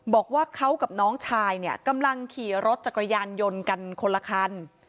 บอกว่าเขากับน้องชายเนี่ยกำลังขี่รถจักรยานยนต์กันคนละคัน